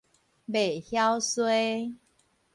袂曉衰